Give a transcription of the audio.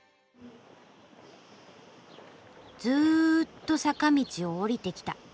ずっと坂道を下りてきた。